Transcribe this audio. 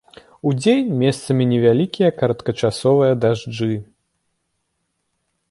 Удзень месцамі невялікія кароткачасовыя дажджы.